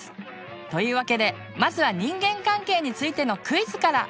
というわけでまずは人間関係についてのクイズから。